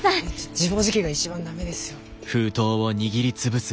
自暴自棄が一番駄目ですよ。